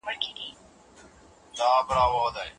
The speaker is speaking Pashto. دا لار مه پرېږدئ.